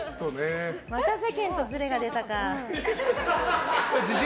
また世間とずれが出たか。